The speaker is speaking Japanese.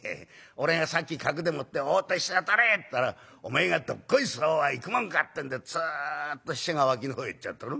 俺がさっき角でもって『王手飛車取り』ったらおめえが『どっこいそうはいくもんか』ってんでつっと飛車が脇のほうへ行っちゃったろ？